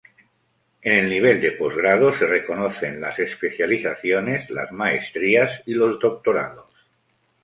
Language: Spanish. En el nivel de posgrado se reconocen las especializaciones, las maestrías y los doctorados.